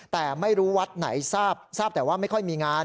แต่ไม่รู้วัดไหนทราบแต่ว่าไม่ค่อยมีงาน